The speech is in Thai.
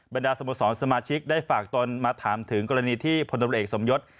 ดาสโมสรสมาชิกได้ฝากตนมาถามถึงกรณีที่พลตำรวจเอกสมยศ